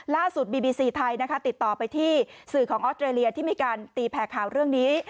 บีบีซีไทยนะคะติดต่อไปที่สื่อของออสเตรเลียที่มีการตีแผ่ข่าวเรื่องนี้